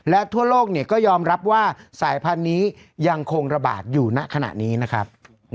และทั่วโลกก็ยอมรับว่าสายพันธุ์นี้ยังคงระบาดอยู่ณขณะนี้นะครับ